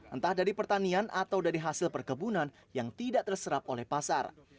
entah dari pertanian atau dari hasil perkebunan yang tidak terserap oleh pasar